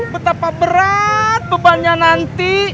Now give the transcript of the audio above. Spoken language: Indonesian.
betapa berat bebannya nasib motor bucket out itu